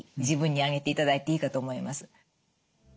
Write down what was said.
自分にあげていただいていいかと思います。